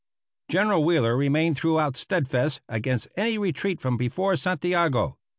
General Wheeler remained throughout steadfast against any retreat from before Santiago.